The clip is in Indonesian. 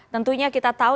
tentunya kita tahu